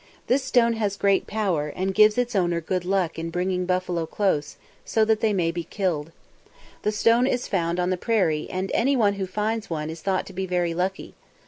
This stone has great power, and gives its owner good luck in bringing the buffalo close, so that they may be killed. The stone is found on the prairie, and any one who finds one is thought to be very lucky.